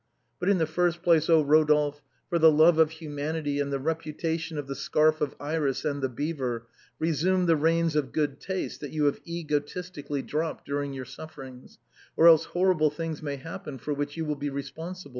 But in the first place, oh, Eodolphe ! for the love of hu manity and the reputation of " The Scarf of Iris " and " The Beaver," resume the reins of good taste that you have egotistically dropped during your sufferings, or else hor rible things may happen for which you will be responsible.